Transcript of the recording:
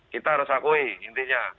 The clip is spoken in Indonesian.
kita harus akui intinya